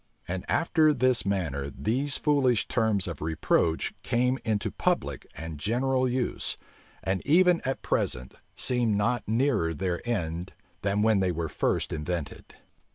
And after this manner these foolish terms of reproach came into public and general use; and even at present seem not nearer their end than when they were first invented.